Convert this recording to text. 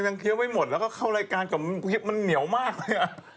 ยังเคี้ยวไม่หมดแล้วก็เข้ารายการกับมันเหนียวมากเลยครับ